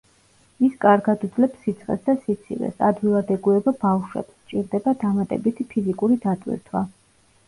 ის კარგად უძლებს სიცხეს და სიცივეს, ადვილად ეგუება ბავშვებს, სჭირდება დამატებითი ფიზიკური დატვირთვა.